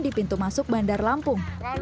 di pintu masuk bandar lampung